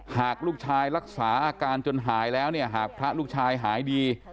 หากลูกชายรักษาอาการจนหายแล้วเนี่ยหากพระลูกชายหายดี